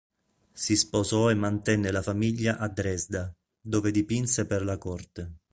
Si sposò e mantenne la famiglia a Dresda, dove dipinse per la corte.